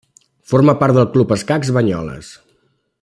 Forma part de Club Escacs Banyoles.